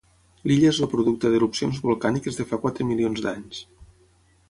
L'illa és el producte d'erupcions volcàniques de fa quatre milions d'anys.